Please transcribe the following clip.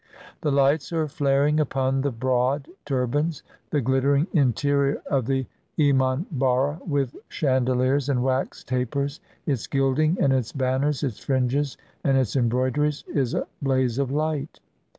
The Ughts are flaring upon the broad turbans; the glittering interior of the emanharra, with chandeliers and wax tapers, its gilding and its banners, its fringes and its embroideries, is a blaze of light.